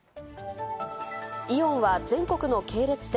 イオンは全国の系列店